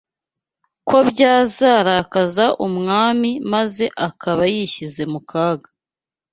ko byazarakaza umwami maze akaba yishyize mu kaga